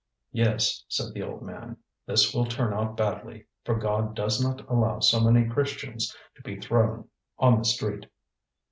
"Yes," said the old man, "this will turn out badly, for God does not allow so many Christians to be thrown on the street."